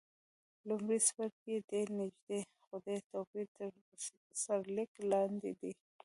لومړی څپرکی یې ډېر نږدې، خو ډېر توپیر تر سرلیک لاندې دی.